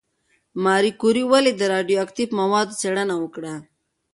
ماري کوري ولې د راډیواکټیف موادو څېړنه وکړه؟